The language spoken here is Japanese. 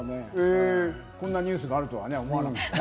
こんなニュースがあるとはね。